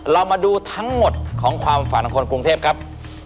เรามาดูทั้งหมดของความฝันของคนกรุงเทพครับ